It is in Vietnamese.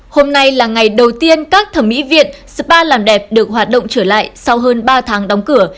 hôm nay là ngày đầu tiên các thẩm mỹ viện spa làm đẹp được hoạt động trở lại sau hơn ba tháng đóng cửa